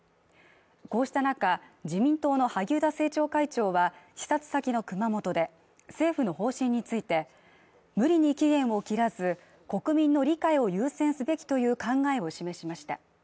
こうした中自民党の萩生田政調会長は視察先の熊本で政府の方針について無理に期限を切らず国民の理解を優先すべきという考えを示しました